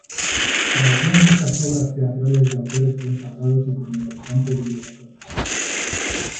Trabajó en muchas obras teatrales de autores consagrados y con importantes directores.